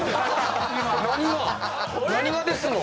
何がですの？